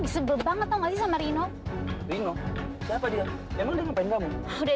sampai jumpa di video selanjutnya